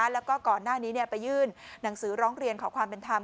แล้วก็ก่อนหน้านี้ไปยื่นหนังสือร้องเรียนขอความเป็นธรรม